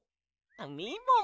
みもも